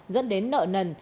dẫn đến nợ nần